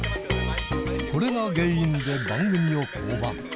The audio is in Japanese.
これが原因で、番組を降板。